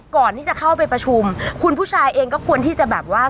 ก่อนที่จะเข้าไปประชุมคุณผู้ชายเองก็ควรที่จะแบบว่า